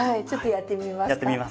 やってみます。